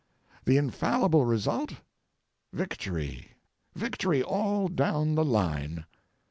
The infallible result?—victory, victory all down the line.